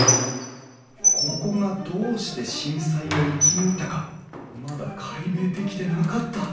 ここがどうして震災を生き抜いたかまだ解明できてなかった！